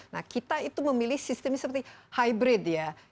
nah kita itu memilih sistemnya seperti hybrid ya